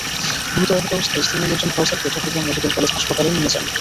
গুরুতর আহত অবস্থায় স্থানীয় লোকজন ফয়সালকে চট্টগ্রাম মেডিকেল কলেজ হাসপাতালে নিয়ে যান।